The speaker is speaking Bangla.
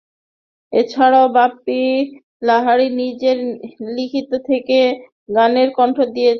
এছাড়াও, বাপ্পী লাহিড়ী নিজের লিখিত বেশ কিছু গানে কণ্ঠ দিয়েছেন।